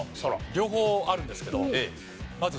両方あるんですけど。